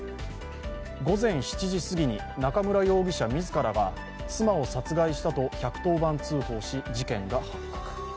午前７時過ぎに中村容疑者自らが妻を殺害したと１１０番通報し事件が発覚。